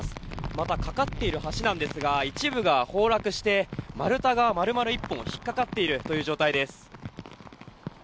また、架かっている橋なんですが一部が崩落して丸太が丸々１本引っかかっているという状態です。